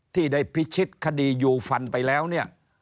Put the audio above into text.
ที่ได้พิชิตคดียูฟันไปแล้วเนี่ย